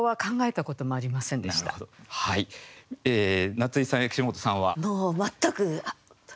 夏井さんや岸本さんは。